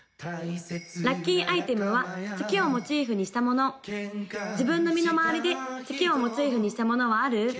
・ラッキーアイテムは月をモチーフにしたもの自分の身の回りで月をモチーフにしたものはある？